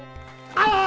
ああ。